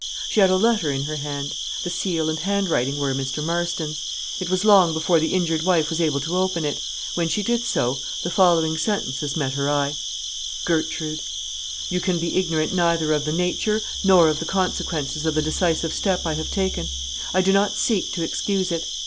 She had a letter in her hand; the seal and handwriting were Mr. Marston's. It was long before the injured wife was able to open it; when she did so, the following sentences met her eye: "Gertrude, "You can be ignorant neither of the nature nor of the consequences of the decisive step I have taken: I do not seek to excuse it.